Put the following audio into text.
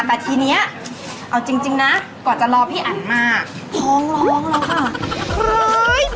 แต่ทีนี้เอาจริงนะกว่าจะรอพี่อันมาท้องร้องแล้วค่ะ